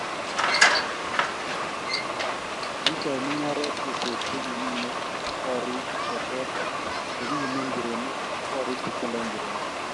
kiitoi mung'aret keswek chekiminei korik che teer chekiyumen nchirenik ak koriik chekioldoen nchirenik.